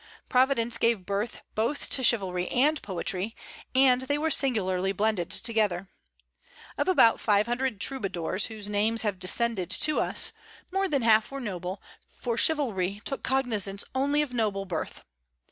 Provence gave birth both to chivalry and poetry, and they were singularly blended together. Of about five hundred troubadours whose names have descended to us, more than half were noble, for chivalry took cognizance only of noble birth.